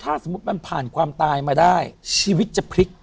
ถ้าสมมุติมันผ่านความตายมาได้ชีวิตจะพลิก